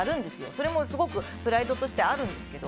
それもすごくプライドとしてあるんですけど。